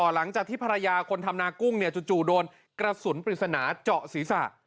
หลังจากที่ภรรยาคนทำนากุ้งจู่โดนกระสุนปริศนาเจาะศีรษะ